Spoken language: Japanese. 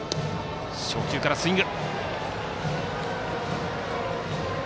初球からスイング。